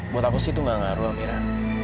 buat aku sih itu gak ngaruh kira